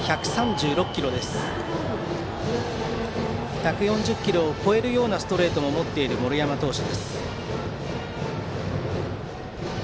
１４０キロを超えるようなストレートも持っている森山投手。